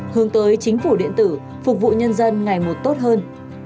hướng tới chính phủ điện tử phục vụ nhân dân ngày một tốt hơn